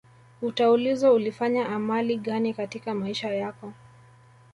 utaulizwa ulifanya amali gani katika maisha yako